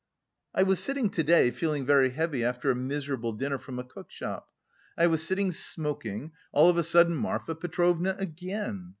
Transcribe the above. I was sitting to day, feeling very heavy after a miserable dinner from a cookshop; I was sitting smoking, all of a sudden Marfa Petrovna again.